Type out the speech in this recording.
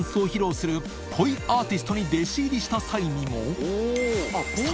泪鵐垢鯣簣垢ポイアーティストに弟子入りした際にも磴